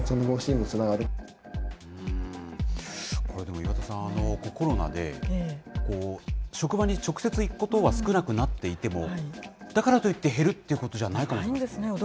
これでも岩田さん、コロナで職場に直接行くことは少なくなっていても、だからといって減るということじゃないかもしれないですね。